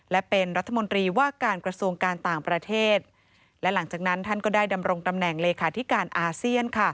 และเป็นรัฐมนตรีว่าการกระทรวงการต่างประเทศและหลังจากนั้นท่านก็ได้ดำรงตำแหน่งเลขาธิการอาเซียน